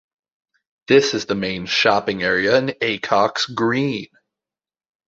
This is the main shopping area in Acocks Green.